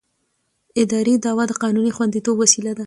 اداري دعوه د قانوني خوندیتوب وسیله ده.